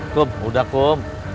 kum udah kum